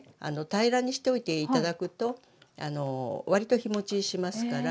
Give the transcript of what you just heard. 平らにしておいて頂くとわりと日もちしますから。